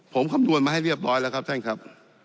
ผมคำนวณมาให้เรียบร้อยแล้วครับท่านครับ